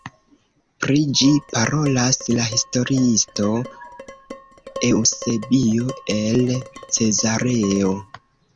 Pri ĝi parolas la historiisto Eŭsebio el Cezareo.